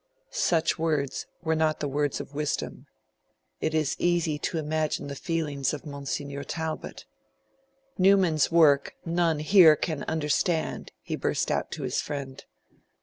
Such words were not the words of wisdom. It is easy to imagine the feelings of Monsignor Talbot. 'Newman's work none here can understand,' he burst out to his friend.